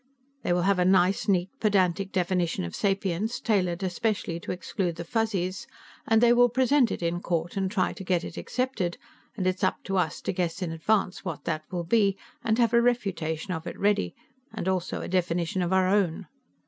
"They will have a nice, neat, pedantic definition of sapience, tailored especially to exclude the Fuzzies, and they will present it in court and try to get it accepted, and it's up to us to guess in advance what that will be, and have a refutation of it ready, and also a definition of our own."